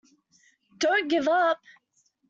Don't give up!.